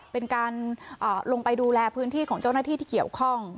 เป็นการลงไปดูแลพื้นที่ของเจ้าหน้าที่ที่เกี่ยวข้อง